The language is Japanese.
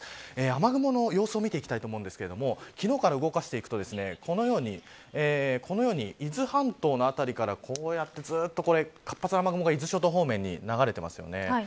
雨雲の様子を見ていきたいと思うんですが昨日から動かしていくとこのように伊豆半島の辺りからこうやってずっと活発な雨雲が伊豆諸島方面に流れていますよね。